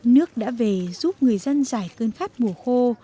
nước đã về giúp người dân giải cơn khát mùa khô